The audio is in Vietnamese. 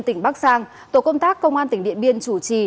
tỉnh bắc giang tổ công tác công an tỉnh điện biên chủ trì